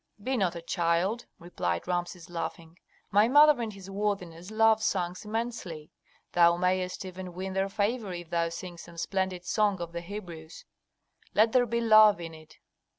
"Be not a child," replied Rameses, laughing. "My mother and his worthiness love songs immensely. Thou mayest even win their favor if thou sing some splendid song of the Hebrews. Let there be love in it."